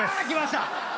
きました！